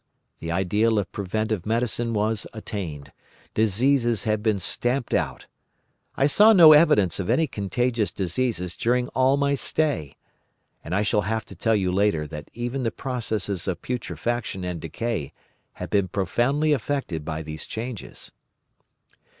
The ideal of preventive medicine was attained. Diseases had been stamped out. I saw no evidence of any contagious diseases during all my stay. And I shall have to tell you later that even the processes of putrefaction and decay had been profoundly affected by these changes.